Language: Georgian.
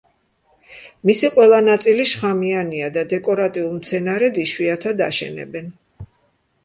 მისი ყველა ნაწილი შხამიანია და დეკორატიულ მცენარედ იშვიათად აშენებენ.